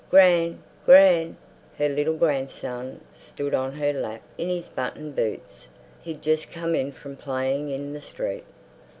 "Gran! Gran!" Her little grandson stood on her lap in his button boots. He'd just come in from playing in the street.